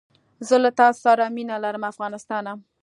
زه له تاسره مینه لرم افغانستانه